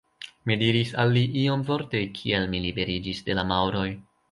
Mi diris al li iomvorte, kiel mi liberiĝis de la Maŭroj.